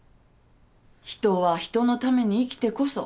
人は人のために生きてこそ。